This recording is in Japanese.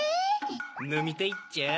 のみたいっちゃ？